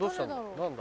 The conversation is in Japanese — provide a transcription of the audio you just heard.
何だ？